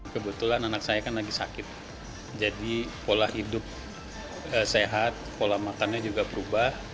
kebetulan anak saya kan lagi sakit jadi pola hidup sehat pola makannya juga berubah